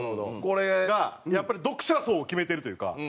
これがやっぱり読者層を決めてるというか。